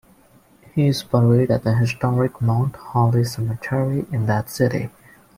He is buried at the historic Mount Holly Cemetery in that city.